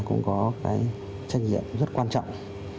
cũng có cái trách nhiệm rất quan trọng